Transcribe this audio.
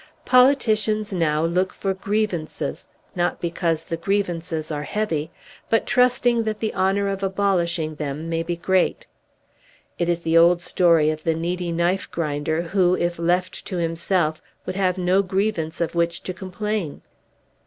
Politicians now look for grievances, not because the grievances are heavy, but trusting that the honour of abolishing them may be great. It is the old story of the needy knife grinder who, if left to himself, would have no grievance of which to complain."